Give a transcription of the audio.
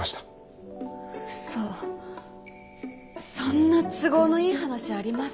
うそそんな都合のいい話あります？